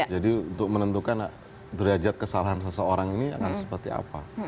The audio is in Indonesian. jadi untuk menentukan derajat kesalahan seseorang ini akan seperti apa